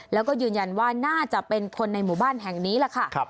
แล้วก็ยืนยันว่าน่าจะเป็นคนในหมู่บ้านแห่งนี้แหละค่ะ